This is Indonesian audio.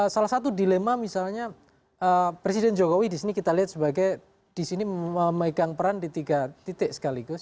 salah satu dilema misalnya presiden jokowi di sini kita lihat sebagai di sini memegang peran di tiga titik sekaligus